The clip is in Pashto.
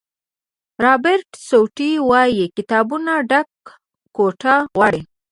رابرټ سوټي وایي کتابونو ډکه کوټه غواړي.